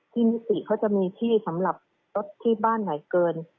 นิติเขาจะมีที่สำหรับรถที่บ้านไหนเกิน